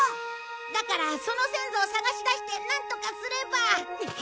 だからその先祖を探し出してなんとかすれば。